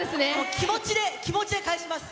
気持ちで、気持ちで返します。